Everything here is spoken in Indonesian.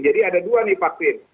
jadi ada dua nih vaksin